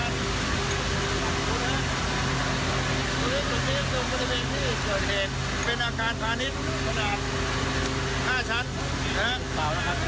ส่วนที่นี้คือบริเวณที่เป็นอาการพาณิชย์ประดาษห้าชั้นนะฮะเปล่า